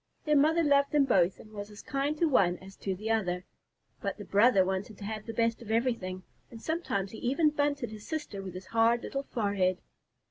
Their mother loved them both and was as kind to one as to the other, but the brother wanted to have the best of everything, and sometimes he even bunted his sister with his hard little forehead.